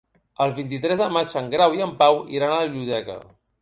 El vint-i-tres de maig en Grau i en Pau iran a la biblioteca.